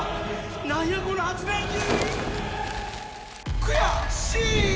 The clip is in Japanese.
何やこの発電機！